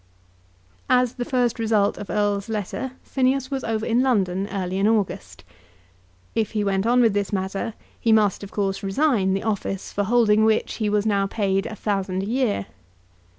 As the first result of Erle's letter Phineas was over in London early in August. If he went on with this matter, he must, of course, resign the office for holding which he was now paid a thousand a year.